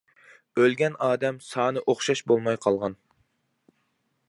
ئۆلگەن ئادەم سانى ئوخشاش بولماي قالغان.